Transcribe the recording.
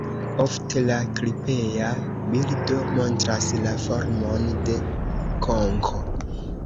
Ofte la klipea bildo montras la formon de konko.